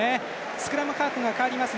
スクラムハーフが代わります。